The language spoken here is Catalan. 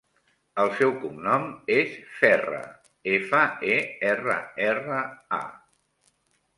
El seu cognom és Ferra: efa, e, erra, erra, a.